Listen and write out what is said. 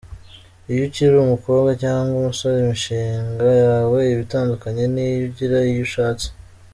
iyo ukiri umukobwa, cyangwa umusore imishinga yawe iba itandukanye niyo ugira iyo ushatse.